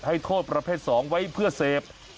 ให้โทษประเภท๒ไว้เพื่อเสพ